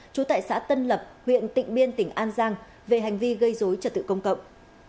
trú tại xã tân lập huyện tịnh biên tỉnh an giang về hành vi gây dối trật tự công cộng